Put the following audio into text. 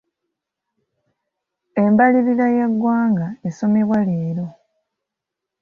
Embalirira y'eggwanga esomebwa leero.